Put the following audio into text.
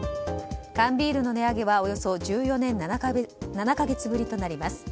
缶ビールの値上げはおよそ１４年７か月ぶりとなります。